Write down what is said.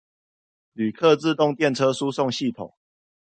旅客自動電車輸送系統